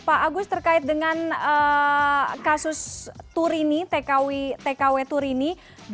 pak agus terkait dengan kasus tkw turini